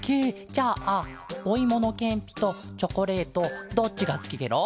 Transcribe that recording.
じゃあおいものけんぴとチョコレートどっちがすきケロ？